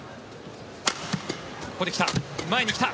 ここで来た。